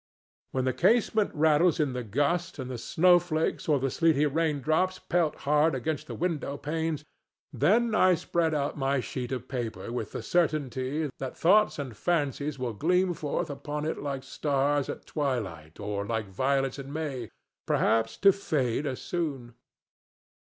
When the casement rattles in the gust and the snowflakes or the sleety raindrops pelt hard against the window panes, then I spread out my sheet of paper with the certainty that thoughts and fancies will gleam forth upon it like stars at twilight or like violets in May, perhaps to fade as soon.